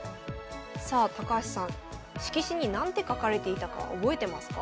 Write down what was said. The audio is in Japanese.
さあ高橋さん色紙に何て書かれていたか覚えてますか？